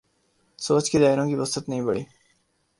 سوچ کے دائروں کی وسعت نہیں بڑھی۔